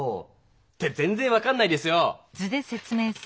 って全ぜん分かんないですよ！